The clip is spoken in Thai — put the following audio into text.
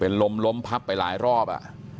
เป็นลมพับไปหลายรอบอ่ะ